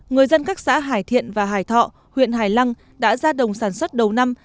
người dân các xã hải thiện và hải thọ huyện hải lăng đã ra đồng sản xuất đầu năm